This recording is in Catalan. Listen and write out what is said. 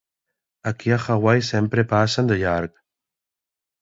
Aquí a Hawaii sempre passen de llarg.